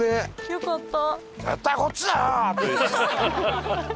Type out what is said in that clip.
よかった。